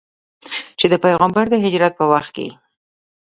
چې د پیغمبر د هجرت په وخت کې.